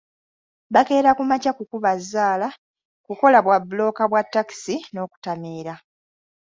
Bakeera ku makya kukuba zzaala, kukola bwa bbulooka bwa takisi n’okutamiira.